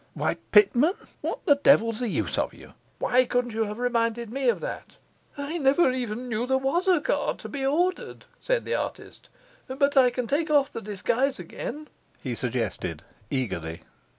Why, Pitman, what the devil's the use of you? why couldn't you have reminded me of that?' 'I never even knew there was a cart to be ordered,' said the artist. 'But I can take off the disguise again,' he suggested eagerly.